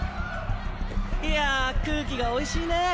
いや空気がおいしいね。